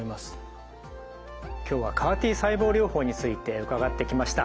今日はＣＡＲ−Ｔ細胞療法について伺ってきました。